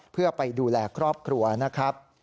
เพื่อไปดูแลครอบครัวนะครับ